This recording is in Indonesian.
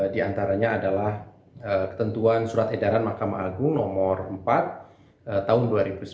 di antaranya adalah ketentuan surat edaran mahkamah agung nomor empat tahun dua ribu sembilan belas